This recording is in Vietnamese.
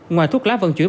ngoài thuốc lá vận chuyển